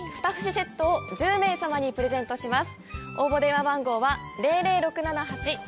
セットを１０名様にプレゼントします。